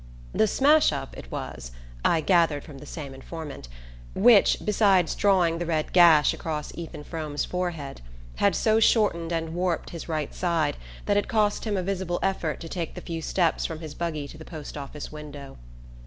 The "smash up" it was I gathered from the same informant which, besides drawing the red gash across Ethan Frome's forehead, had so shortened and warped his right side that it cost him a visible effort to take the few steps from his buggy to the post office window.